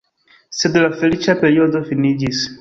Sed la feliĉa periodo finiĝis.